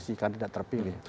jadi itu kan tidak terpilih